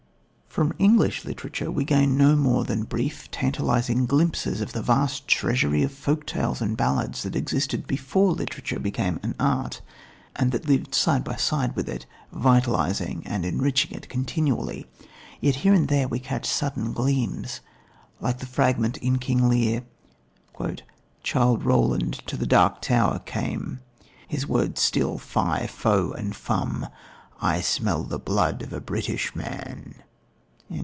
From English literature we gain no more than brief, tantalising glimpses of the vast treasury of folk tales and ballads that existed before literature became an art and that lived on side by side with it, vitalising and enriching it continually. Yet here and there we catch sudden gleams like the fragment in King Lear: "Childe Roland to the dark tower came. His word was still Fie, Foh and Fum, I smell the blood of a British man."